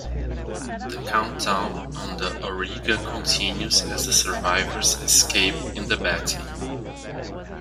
The countdown on the "Auriga" continues as the survivors escape in the "Betty".